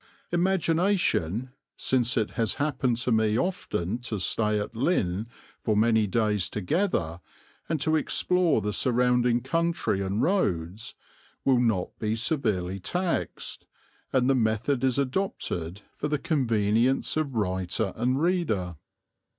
Imagination, since it has happened to me often to stay at Lynn for many days together and to explore the surrounding country and roads, will not be severely taxed, and the method is adopted for the convenience of writer and reader.